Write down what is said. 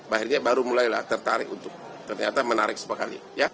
akhirnya baru mulailah tertarik untuk ternyata menarik sekali